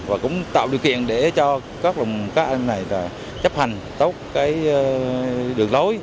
và cũng tạo điều kiện để cho các anh này chấp hành tốt cái đường lối